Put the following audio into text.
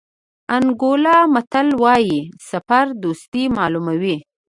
انګولا متل وایي سفر دوستي معلوموي.